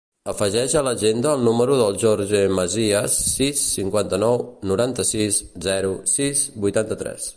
Afegeix a l'agenda el número del Jorge Masia: sis, cinquanta-nou, noranta-sis, zero, sis, vuitanta-tres.